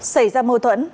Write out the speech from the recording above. xảy ra mâu thuẫn